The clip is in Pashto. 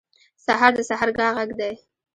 سهار د سحرګاه غږ دی.